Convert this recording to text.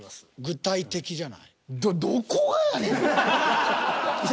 「具体的」じゃない？